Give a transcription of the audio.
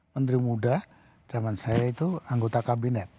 menteri muda zaman saya itu anggota kabinet